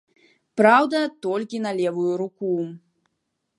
Праўда, толькі на левую руку.